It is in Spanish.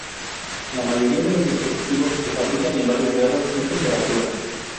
La mayoría de los dispositivos se fabrican en varios grados de temperatura.